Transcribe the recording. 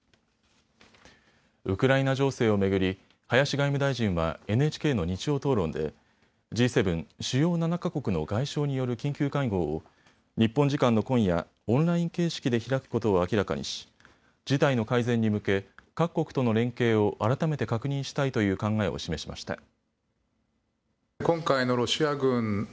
ウクライナ情勢を巡り林外務大臣はＮＨＫの日曜討論でＧ７・主要７か国の外相による緊急会合を日本時間の今夜、オンライン形式で開くことを明らかにし事態の改善に向け各国との連携を改めて確認したいという考えを示しました。